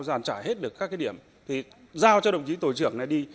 giàn trả hết được các điểm thì giao cho đồng chí tổ trưởng này đi